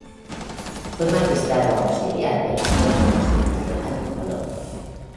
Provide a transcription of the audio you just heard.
Fue magistrado auxiliar de la Corte Constitucional de Colombia.